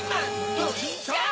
ドキンちゃん！